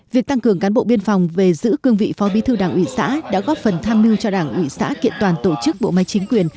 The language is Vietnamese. việc tăng cường cán bộ biên phòng về giữ cương vị phó bí thư đảng ủy xã đã góp phần tham mưu cho đảng ủy xã kiện toàn tổ chức bộ máy chính quyền